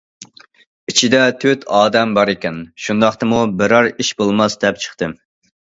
ئىچىدە تۆت ئادەم بار ئىكەن، شۇنداقتىمۇ بىرەر ئىش بولماس دەپ چىقتىم.